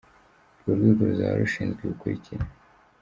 Urwo rwego ruzaba rushinzwe ibi bikurikira: